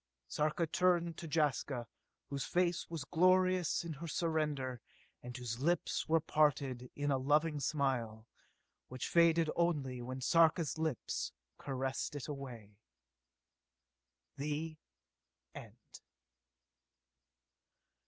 Sarka turned to Jaska, whose face was glorious in her surrender, and whose lips were parted in a loving smile which faded only when Sarka's lips caressed it away. (_The end.